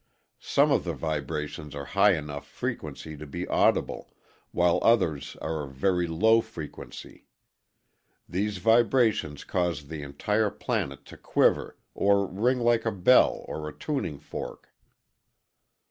Some of the vibrations are of high enough frequency to be audible, while others are of very low frequency. These vibrations cause the entire planet to quiver or ring like a bell or a tuning fork.